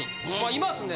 いますね。